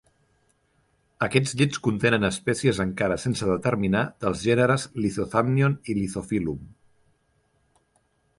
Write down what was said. Aquests llits contenen espècies encara sense determinar dels gèneres "Lithothamnion" i "Lithophyllum".